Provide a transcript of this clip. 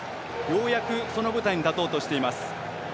ようやく、その舞台に立とうとしています。